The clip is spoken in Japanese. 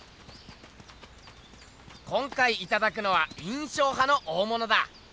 今回いただくのは印象派の大ものだ。